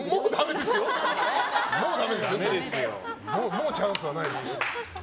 もうチャンスはないですよ。